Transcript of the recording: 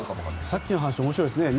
さっきの話面白いですね。